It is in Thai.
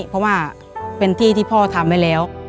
เพราะว่าเป็นที่ที่พ่อทำไว้แล้ว